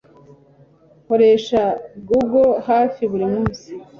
Nkoresha Google hafi buri munsi